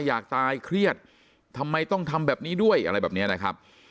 อยากตายเครียดทำไมต้องทำแบบนี้ด้วยอะไรแบบนี้นะครับ